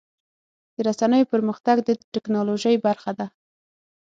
د رسنیو پرمختګ د ټکنالوژۍ برخه ده.